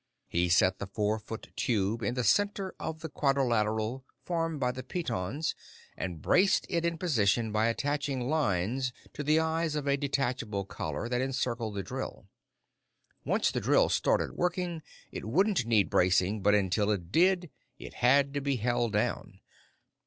He set the four foot tube in the center of the quadrilateral formed by the pitons and braced it in position by attaching lines to the eyes on a detachable collar that encircled the drill. Once the drill started working, it wouldn't need bracing, but until it did, it had to be held down.